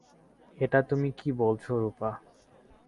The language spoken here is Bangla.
এটা তুমি কী বলছো রুপা?